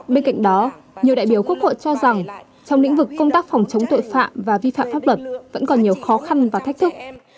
bên cạnh đó nhiều đại biểu quốc hội cho rằng trong lĩnh vực công tác phòng chống tội phạm và vi phạm pháp luật vẫn còn nhiều khó khăn và thách thức